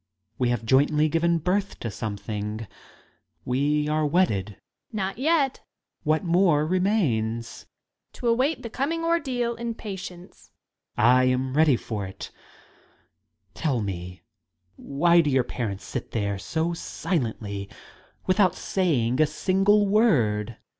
We have jointly given birth to W something: we are wedded Young Lady. Not yet. Student. What more remains ? Young Lady. To await the coming ordeal in patience! Student. I am ready for it. Tell me! Why do your parents sit there so silently, without saying a single word?